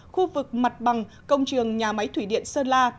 khu vực mặt bằng công trường nhà máy thủy điện sơn la